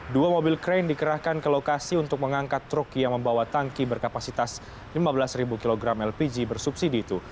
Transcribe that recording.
dua mobil krain dikerahkan ke lokasi untuk mengangkat truk yang membawa tangki berkapasitas lima belas kg lpg bersubsidi itu